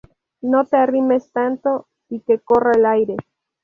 No te arrimes tanto y que corra el aire